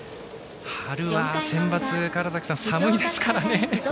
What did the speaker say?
春は、センバツ川原崎さん、寒いですからね。